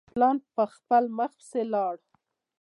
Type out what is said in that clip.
پلان پر خپل مخ پسي ولاړ.